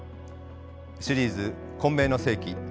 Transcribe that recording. シリーズ「混迷の世紀」